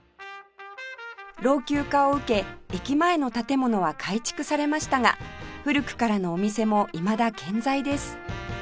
老朽化を受け駅前の建物は改築されましたが古くからのお店もいまだ健在です